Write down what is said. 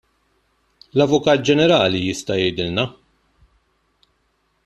L-Avukat Ġenerali jista' jgħidilna.